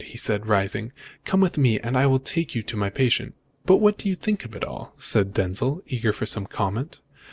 he said, rising. "Come with me, and I'll take you to see my patient." "But what do you think of it all?" said Denzil, eager for some comment.